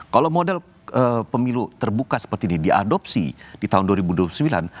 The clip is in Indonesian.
kalau model pemilu terbuka seperti ini diadopsi di tahun dua ribu dua puluh sembilan